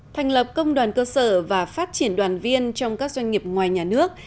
thành lập công đoàn cơ sở và phát triển đoàn viên trong các doanh nghiệp ngoài nhà nước